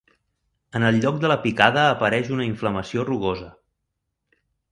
En el lloc de la picada apareix una inflamació rugosa.